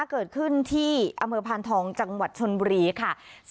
เกิดขึ้นที่อำเภอพานทองจังหวัดชนบุรีค่ะ